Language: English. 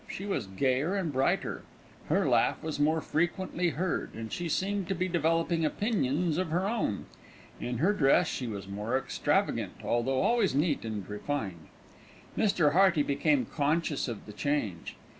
She was gayer and brighter, her laugh was more frequently heard, and she seemed to be developing opinions of her own. In her dress she was more extravagant, although always neat and refined. Mr. Hearty became conscious of the change.